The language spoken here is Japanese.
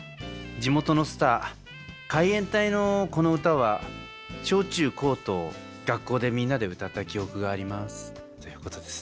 地元のスター海援隊のこの歌は小中高と学校でみんなで歌った記憶があります」ということですね。